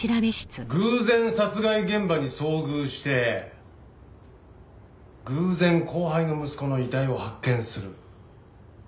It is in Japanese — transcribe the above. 偶然殺害現場に遭遇して偶然後輩の息子の遺体を発見する。